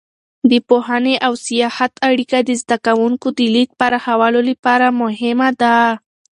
د پوهنې او سیاحت اړیکه د زده کوونکو د لید پراخولو لپاره مهمه ده.